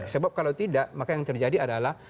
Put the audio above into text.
sebab kalau tidak maka yang terjadi adalah